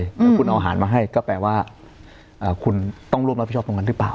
แล้วคุณเอาอาหารมาให้ก็แปลว่าคุณต้องร่วมรับผิดชอบตรงนั้นหรือเปล่า